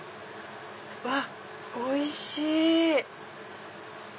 うわっおいしい！